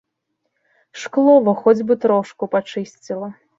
Шкло во хоць бы трошку пачысціла.